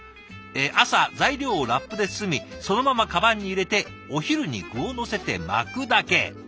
朝材料をラップで包みそのままカバンに入れてお昼に具をのせて巻くだけ。